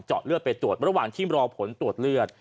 เลือดไปตรวจระหว่างที่รอผลตรวจเลือด